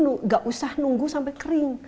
tidak usah nunggu sampai kering